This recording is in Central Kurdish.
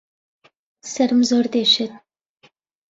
سەرم زۆر دێشێت